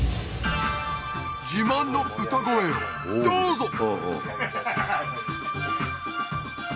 自慢の歌声どうぞ！